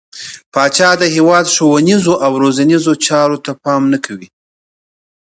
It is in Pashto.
پاچا د هيواد ښونيرو او روزنيزو چارو ته پام نه کوي.